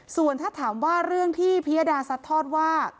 ส่วนถ้าถามว่าเรื่องที่พิยดาซัดทอดว่า